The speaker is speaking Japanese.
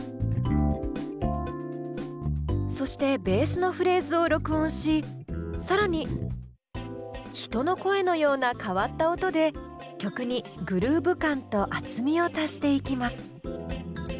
そしてベースのフレーズを録音し更に人の声のような変わった音で曲にグルーヴ感と厚みを足していきます。